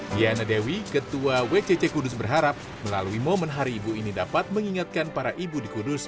diana dewi ketua wcc kudus berharap melalui momen hari ibu ini dapat mengingatkan para ibu di kudus